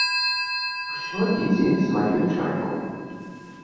Усё ідзе сваёй чаргой.